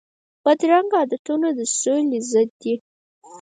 بدرنګه عادتونه د سولي ضد دي